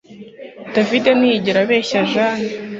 David ntiyigera abeshya Jane